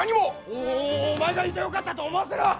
おおおお前がいてよかったと思わせろ！